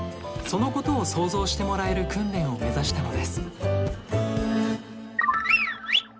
そのことを想像してもらえる訓練を目指したのです。